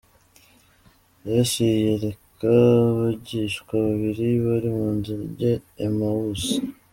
Yesu yiyereka abigishwa babiri bari mu nzira ijya Emawusi.